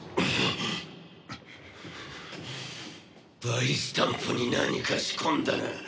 バイスタンプに何か仕込んだな？